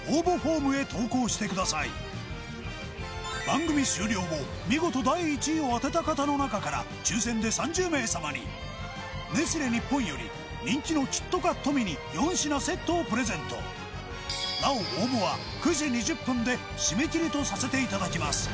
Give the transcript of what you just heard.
番組終了後見事第１位を当てた方の中から抽選で３０名様にネスレ日本より人気のキットカットミニ４品セットをプレゼントなお応募は、９時２０分で締め切りとさせていただきます